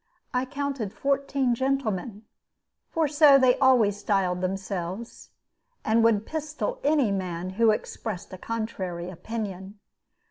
I counted fourteen gentlemen, for so they always styled themselves, and would pistol any man who expressed a contrary opinion.